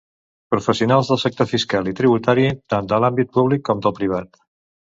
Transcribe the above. Professionals del sector fiscal i tributari, tant de l'àmbit públic com del privat.